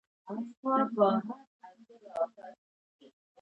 د هلمند په نادعلي کې د رخام کانونه دي.